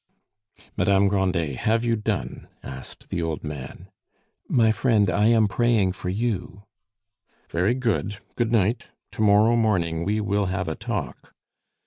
"Madame Grandet, have you done?" asked the old man. "My friend, I am praying for you." "Very good! Good night; to morrow morning we will have a talk."